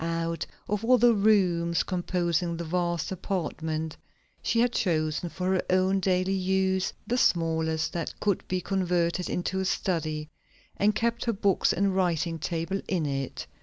Out of all the rooms composing a vast apartment, she had chosen for her own daily use the smallest that could be converted into a study, and kept her books and writing table in it.